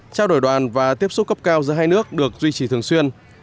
trao đổi đoàn và tiếp xúc cấp cao giữa hai nước được duy trì thường xuyên